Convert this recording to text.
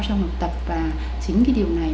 trong học tập và chính cái điều này